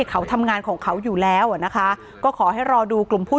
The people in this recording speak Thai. เขาทำงานของเขาอยู่แล้วอ่ะนะคะก็ขอให้รอดูกลุ่มผู้